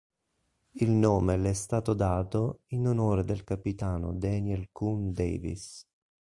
Il nome le è stato dato in onore del capitano Daniel Coon Davis.